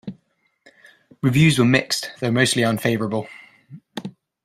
Reviews were mixed, though mostly unfavorable.